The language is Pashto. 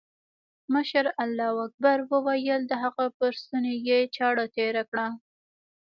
مشر الله اکبر وويل د هغه پر ستوني يې چاړه تېره کړه.